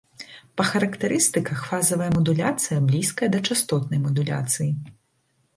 Па характарыстыках фазавая мадуляцыя блізкая да частотнай мадуляцыі.